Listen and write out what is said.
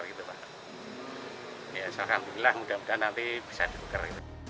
ya insya allah mudah mudahan nanti bisa ditukar